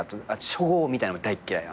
初号みたいなの大っ嫌い。